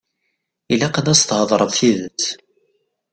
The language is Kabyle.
Ilaq ad as-theḍṛeḍ tidet.